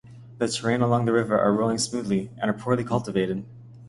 The terrains along the river are rolling smoothly and are poorly cultivated.